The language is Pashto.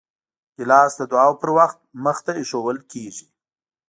ګیلاس د دعاو پر وخت مخې ته ایښودل کېږي.